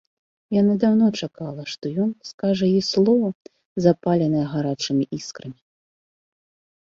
Яна даўно чакала, што ён скажа ёй слова, запаленае гарачымі іскрамі.